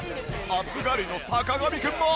暑がりの坂上くんも。